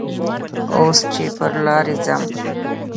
اوس چې پر لارې ځم